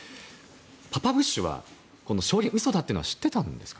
パパブッシュは嘘だったのは知っていたんですか？